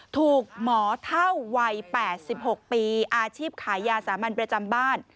ถูกหมอเท่าวัย๘๖ปีอาชีพขายยาสามัญประจำบ้าน